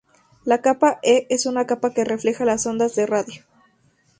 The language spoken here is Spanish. La capa E es una capa que refleja las ondas de radio.